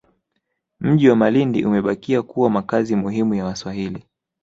Mji wa Malindi Umebakia kuwa makazi muhimu ya Waswahili